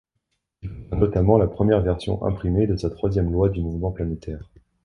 Il contient notamment la première version imprimée de sa troisième loi du mouvement planétaire.